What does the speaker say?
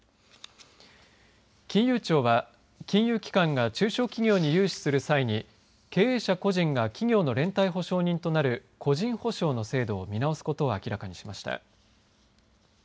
金融庁は金融機関が中小企業に融資する際に経営者個人が個人の連帯保証人となる個人保証の制度の見直すことを明らかにしました。